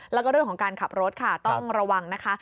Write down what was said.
แล้วก็เรื่องของการขับรถค่ะต้องระวังนะคะ